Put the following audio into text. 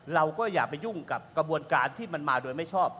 เราก็อย่าไปยุ่งกับกระบวนการที่มันมาโดยไม่ชอบ